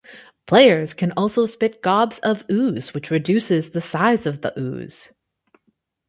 Players can also spit gobs of ooze, which reduces the size of the ooze.